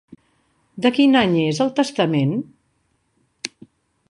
De quin any és el testament?